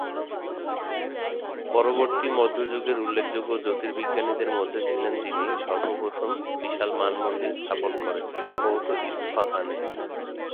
পরবর্তী মধ্যযুগের উল্লেখযোগ্য জ্যোতির্বিজ্ঞানীদের মধ্যে ছিলেন যিনি সর্বপ্রথম বিশাল মানমন্দির স্থাপন করেন, সম্ভবত ইসফাহান-এ।